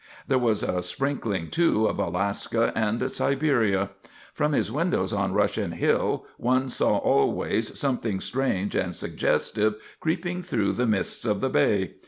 There was a sprinkling, too, of Alaska and Siberia. From his windows on Russian Hill one saw always something strange and suggestive creeping through the mists of the bay.